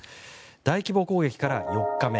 大規模攻撃から４日目。